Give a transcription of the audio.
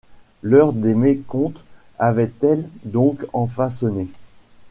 L’heure des mécomptes avait-elle donc enfin sonné?